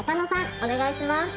お願いします。